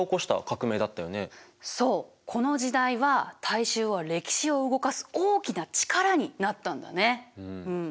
そうこの時代は大衆は歴史を動かす大きな力になったんだね。